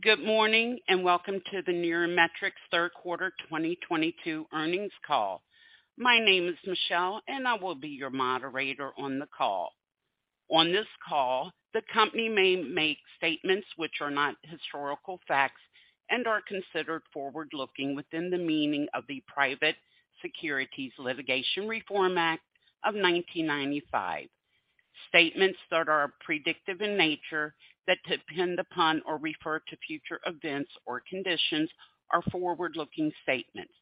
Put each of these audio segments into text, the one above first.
Good morning, and welcome to the NeuroMetrix third quarter 2022 earnings call. My name is Michelle, and I will be your moderator on the call. On this call, the company may make statements which are not historical facts and are considered forward-looking within the meaning of the Private Securities Litigation Reform Act of 1995. Statements that are predictive in nature, that depend upon or refer to future events or conditions are forward-looking statements.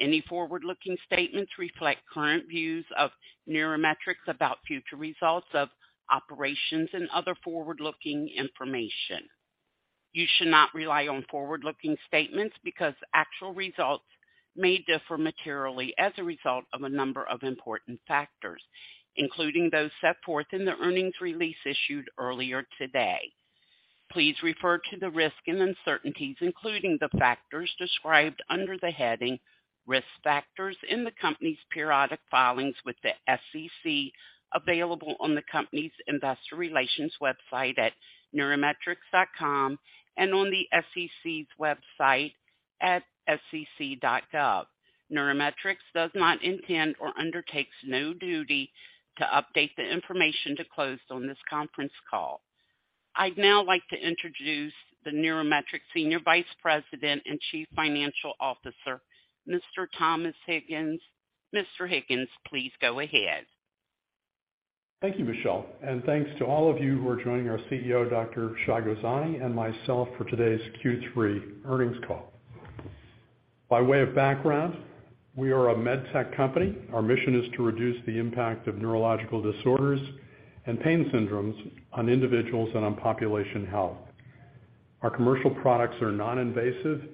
Any forward-looking statements reflect current views of NeuroMetrix about future results of operations and other forward-looking information. You should not rely on forward-looking statements because actual results may differ materially as a result of a number of important factors, including those set forth in the earnings release issued earlier today. Please refer to the risks and uncertainties, including the factors described under the heading Risk Factors in the company's periodic filings with the SEC, available on the company's investor relations website at neurometrix.com and on the SEC's website at sec.gov. NeuroMetrix does not intend or undertake any duty to update the information disclosed on this conference call. I'd now like to introduce the NeuroMetrix Senior Vice President and Chief Financial Officer, Mr. Thomas Higgins. Mr. Higgins, please go ahead. Thank you, Michelle, and thanks to all of you who are joining our CEO, Dr. Shai Gozani, and myself for today's Q3 earnings call. By way of background, we are a med tech company. Our mission is to reduce the impact of neurological disorders and pain syndromes on individuals and on population health. Our commercial products are non-invasive.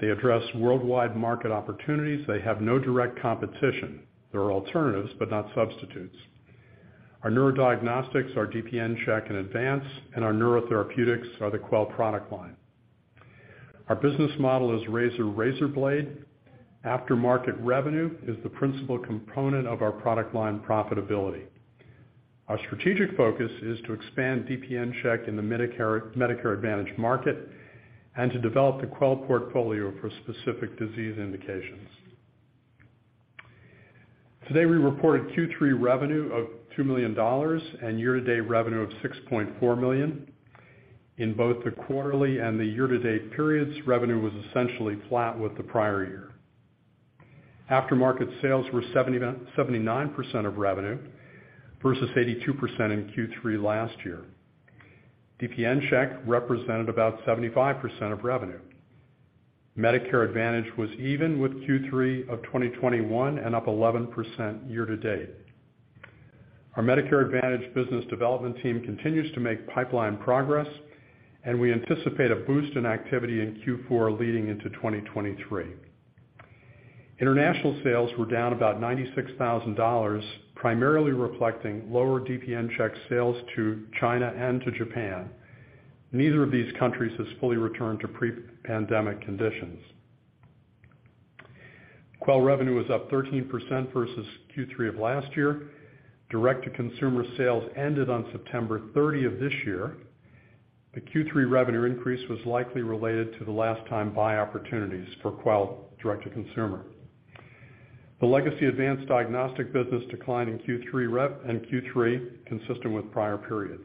They address worldwide market opportunities. They have no direct competition. There are alternatives, but not substitutes. Our neurodiagnostics are DPNCheck and ADVANCE, and our neurotherapeutics are the Quell product line. Our business model is razor-razor blade. Aftermarket revenue is the principal component of our product line profitability. Our strategic focus is to expand DPNCheck in the Medicare Advantage market and to develop the Quell portfolio for specific disease indications. Today, we reported Q3 revenue of $2 million and year-to-date revenue of $6.4 million. In both the quarterly and the year-to-date periods, revenue was essentially flat with the prior year. Aftermarket sales were 79% of revenue versus 82% in Q3 last year. DPNCheck represented about 75% of revenue. Medicare Advantage was even with Q3 of 2021 and up 11% year-to-date. Our Medicare Advantage business development team continues to make pipeline progress, and we anticipate a boost in activity in Q4 leading into 2023. International sales were down about $96,000, primarily reflecting lower DPNCheck sales to China and to Japan. Neither of these countries has fully returned to pre-pandemic conditions. Quell revenue was up 13% versus Q3 of last year. Direct-to-consumer sales ended on September 30 of this year. The Q3 revenue increase was likely related to the last-time buy opportunities for Quell direct to consumer. The legacy advanced diagnostic business declined in Q3 revenue in Q3 consistent with prior periods.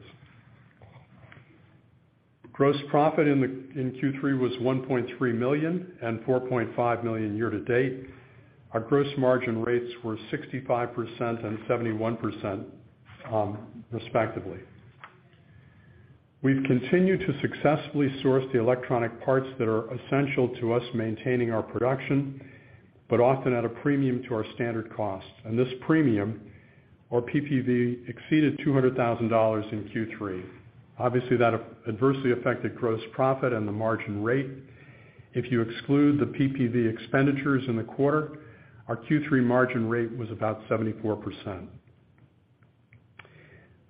Gross profit in Q3 was $1.3 million and $4.5 million year-to-date. Our gross margin rates were 65% and 71%, respectively. We've continued to successfully source the electronic parts that are essential to us maintaining our production, but often at a premium to our standard cost. This premium, or PPV, exceeded $200,000 in Q3. Obviously, that adversely affected gross profit and the margin rate. If you exclude the PPV expenditures in the quarter, our Q3 margin rate was about 74%.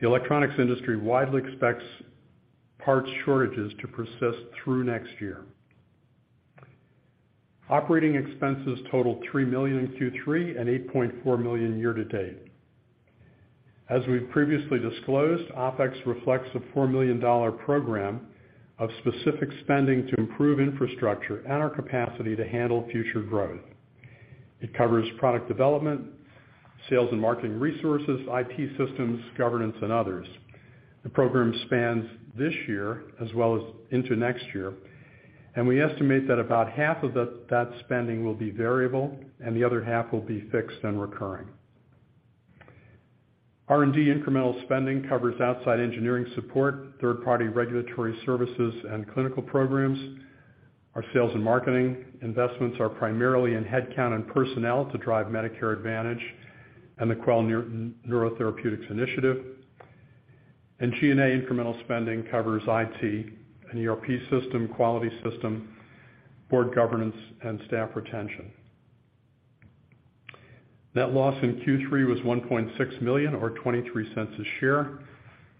The electronics industry widely expects parts shortages to persist through next year. Operating expenses totaled $3 million in Q3 and $8.4 million year-to-date. As we've previously disclosed, OpEx reflects a $4 million program of specific spending to improve infrastructure and our capacity to handle future growth. It covers product development, sales and marketing resources, IT systems, governance, and others. The program spans this year as well as into next year, and we estimate that about half of that spending will be variable and the other half will be fixed and recurring. R&D incremental spending covers outside engineering support, third-party regulatory services, and clinical programs. Our sales and marketing investments are primarily in headcount and personnel to drive Medicare Advantage and the Quell neurotherapeutics initiative. G&A incremental spending covers IT, an ERP system, quality system, board governance, and staff retention. Net loss in Q3 was $1.6 million or $0.23 a share.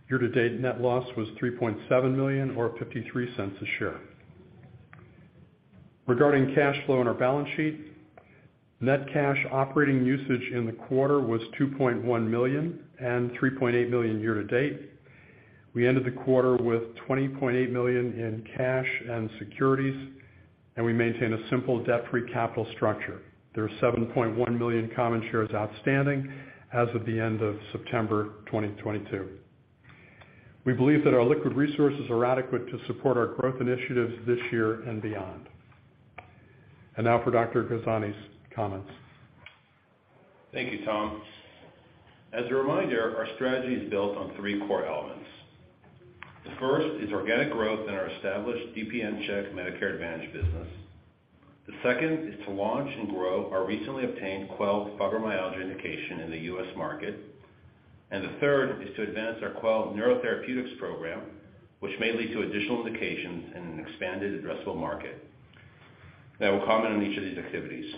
Year-to-date, net loss was $3.7 million or $0.53 a share. Regarding cash flow in our balance sheet, net cash operating usage in the quarter was $2.1 million, and $3.8 million year to date. We ended the quarter with $20.8 million in cash and securities, and we maintain a simple debt-free capital structure. There are 7.1 million common shares outstanding as of the end of September 2022. We believe that our liquid resources are adequate to support our growth initiatives this year and beyond. Now for Dr. Gozani's comments. Thank you, Tom. As a reminder, our strategy is built on three core elements. The first is organic growth in our established DPNCheck Medicare Advantage business. The second is to launch and grow our recently obtained Quell fibromyalgia indication in the U.S., market. The third is to advance our Quell neurotherapeutics program, which may lead to additional indications in an expanded addressable market. Now we'll comment on each of these activities.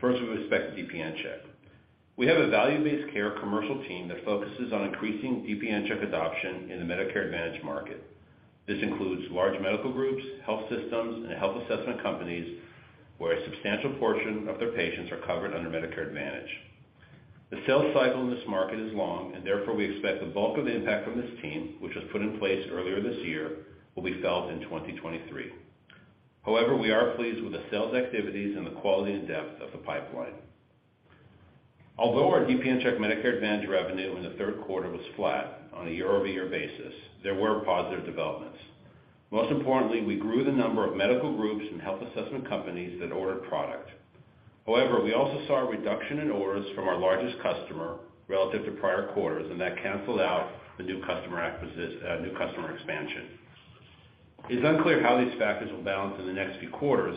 First, with respect to DPNCheck. We have a value-based care commercial team that focuses on increasing DPNCheck adoption in the Medicare Advantage market. This includes large medical groups, health systems, and health assessment companies, where a substantial portion of their patients are covered under Medicare Advantage. The sales cycle in this market is long, and therefore, we expect the bulk of the impact from this team, which was put in place earlier this year, will be felt in 2023. However, we are pleased with the sales activities and the quality and depth of the pipeline. Although our DPNCheck Medicare Advantage revenue in the third quarter was flat on a year-over-year basis, there were positive developments. Most importantly, we grew the number of medical groups and health assessment companies that ordered product. However, we also saw a reduction in orders from our largest customer relative to prior quarters, and that canceled out the new customer expansion. It's unclear how these factors will balance in the next few quarters,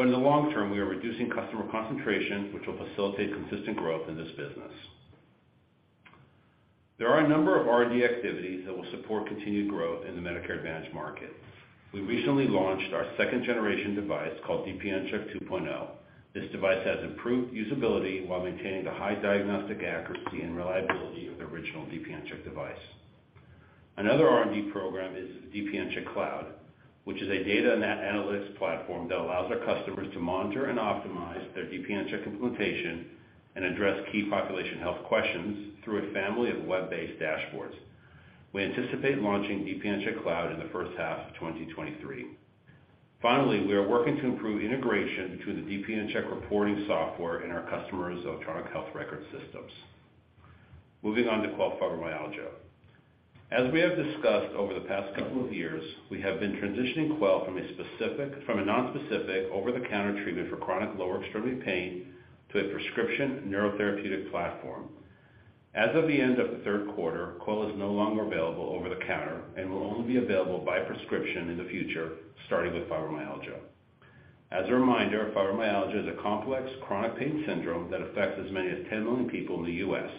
but in the long term, we are reducing customer concentration, which will facilitate consistent growth in this business. There are a number of R&D activities that will support continued growth in the Medicare Advantage market. We recently launched our second generation device called DPNCheck 2.0. This device has improved usability while maintaining the high diagnostic accuracy and reliability of the original DPNCheck device. Another R&D program is DPNCheck Cloud, which is a data analyst platform that allows our customers to monitor and optimize their DPNCheck implementation and address key population health questions through a family of web-based dashboards. We anticipate launching DPNCheck Cloud in the first half of 2023. Finally, we are working to improve integration between the DPNCheck reporting software and our customers' electronic health record systems. Moving on to Quell Fibromyalgia. As we have discussed over the past couple of years, we have been transitioning Quell from a non-specific over-the-counter treatment for chronic lower extremity pain to a prescription neurotherapeutic platform. As of the end of the third quarter, Quell is no longer available over the counter and will only be available by prescription in the future, starting with fibromyalgia. As a reminder, fibromyalgia is a complex chronic pain syndrome that affects as many as 10 million people in the U.S.,.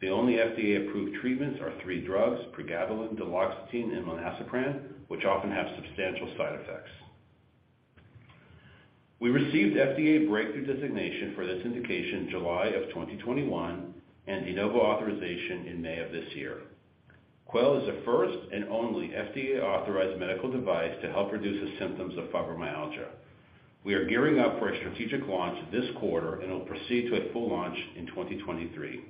The only FDA-approved treatments are three drugs, pregabalin, duloxetine, and milnacipran, which often have substantial side effects. We received FDA breakthrough designation for this indication July of 2021 and De Novo authorization in May of this year. Quell is the first and only FDA-authorized medical device to help reduce the symptoms of fibromyalgia. We are gearing up for a strategic launch this quarter and will proceed to a full launch in 2023.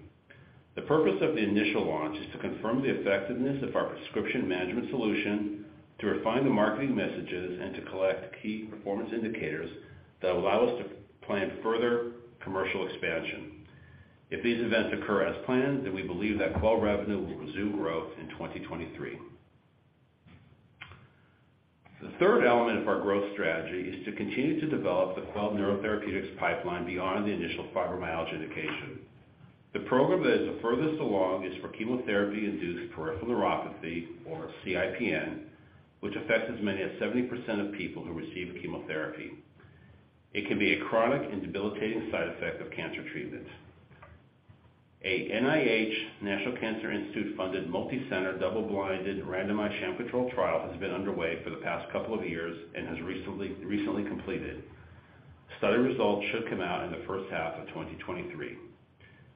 The purpose of the initial launch is to confirm the effectiveness of our prescription management solution, to refine the marketing messages, and to collect key performance indicators that allow us to plan further commercial expansion. If these events occur as planned, then we believe that Quell revenue will resume growth in 2023. The third element of our growth strategy is to continue to develop the Quell neurotherapeutics pipeline beyond the initial fibromyalgia indication. The program that is the furthest along is for chemotherapy-induced peripheral neuropathy or CIPN, which affects as many as 70% of people who receive chemotherapy. It can be a chronic and debilitating side effect of cancer treatment. A NIH National Cancer Institute-funded, multicenter, double-blinded, randomized sham-controlled trial has been underway for the past couple of years and has recently completed. Study results should come out in the first half of 2023.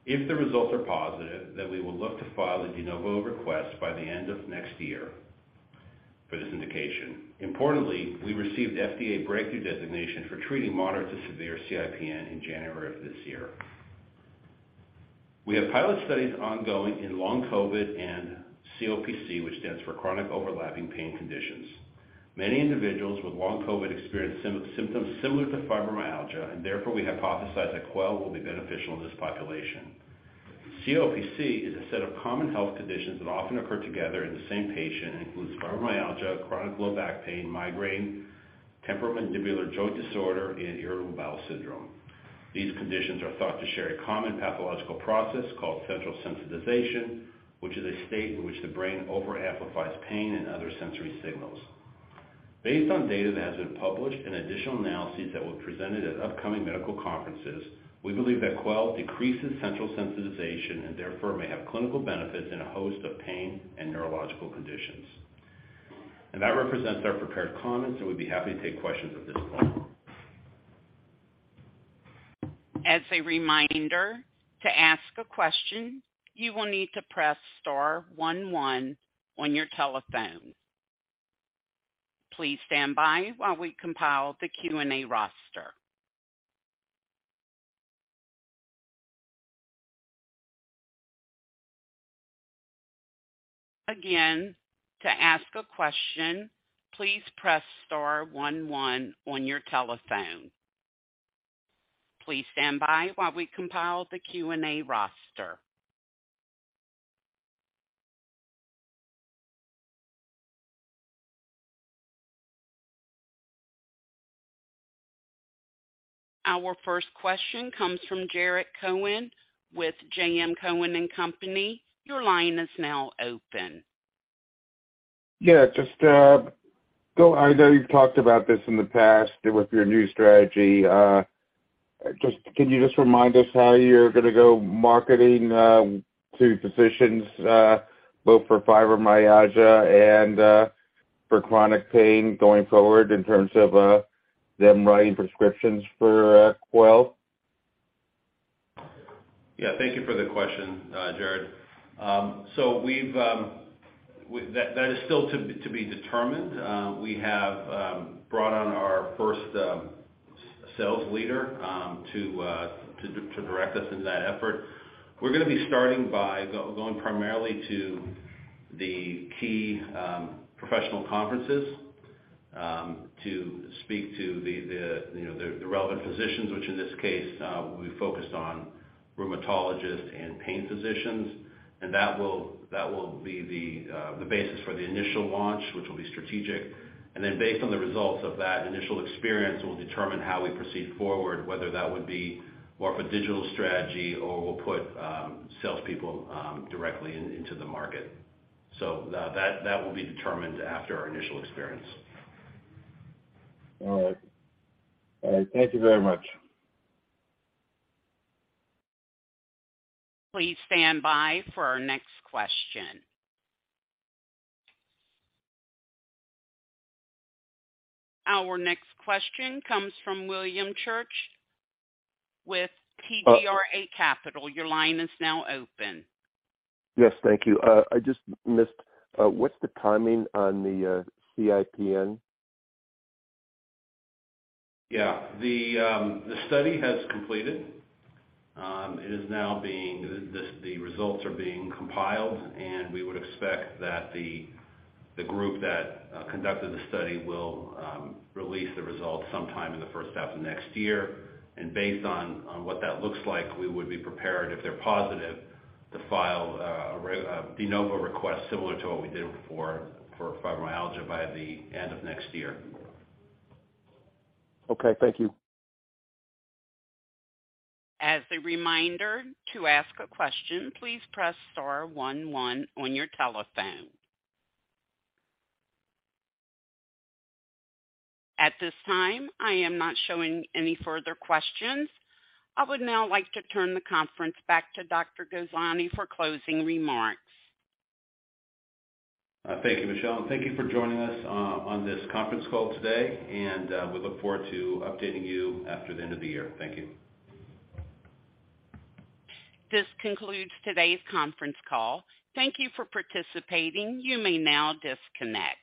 If the results are positive, then we will look to file a De Novo request by the end of next year for this indication. Importantly, we received FDA breakthrough designation for treating moderate to severe CIPN in January of this year. We have pilot studies ongoing in long COVID and COPC, which stands for Chronic Overlapping Pain Conditions. Many individuals with long COVID experience symptoms similar to fibromyalgia, and therefore we hypothesize that Quell will be beneficial in this population. COPC is a set of common health conditions that often occur together in the same patient, and includes fibromyalgia, chronic low back pain, migraine, temporomandibular joint disorder, and irritable bowel syndrome. These conditions are thought to share a common pathological process called central sensitization, which is a state in which the brain over-amplifies pain and other sensory signals. Based on data that has been published and additional analyses that were presented at upcoming medical conferences, we believe that Quell decreases central sensitization and therefore may have clinical benefits in a host of pain and neurological conditions. That represents our prepared comments, and we'd be happy to take questions. As a reminder, to ask a question, you will need to press star one one on your telephone. Please stand by while we compile the Q&A roster. Again, to ask a question, please press star one one on your telephone. Please stand by while we compile the Q&A roster. Our first question comes from Jared Cohen with J.M. Cohen & Company. Your line is now open. Yeah, just, I know you've talked about this in the past with your new strategy. Just can you just remind us how you're gonna go marketing to physicians both for fibromyalgia and for chronic pain going forward in terms of them writing prescriptions for Quell? Yeah, thank you for the question, Jared. So that is still to be determined. We have brought on our first sales leader to direct us in that effort. We're gonna be starting by going primarily to the key professional conferences to speak to the you know the relevant physicians, which in this case will be focused on rheumatologists and pain physicians. That will be the basis for the initial launch, which will be strategic. Based on the results of that initial experience, we'll determine how we proceed forward, whether that would be more of a digital strategy or we'll put salespeople directly into the market. That will be determined after our initial experience. All right. All right, thank you very much. Please stand by for our next question. Our next question comes from William Church with- Uh- TGRA Capital. Your line is now open. Yes, thank you. I just missed, what's the timing on the CIPN? Yeah. The study has completed. The results are being compiled, and we would expect that the group that conducted the study will release the results sometime in the first half of next year. Based on what that looks like, we would be prepared if they're positive to file a De Novo request similar to what we did before for fibromyalgia by the end of next year. Okay, thank you. As a reminder, to ask a question, please press star one one on your telephone. At this time, I am not showing any further questions. I would now like to turn the conference back to Dr. Gozani for closing remarks. Thank you, Michelle. Thank you for joining us on this conference call today. We look forward to updating you after the end of the year. Thank you. This concludes today's conference call. Thank you for participating. You may now disconnect.